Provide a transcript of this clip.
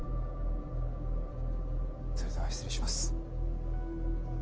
それでは失礼します。